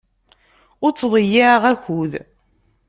Ur ttḍeyyiɛeɣ akud.